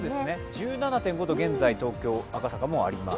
１７．５度、現在、東京・赤坂もあります。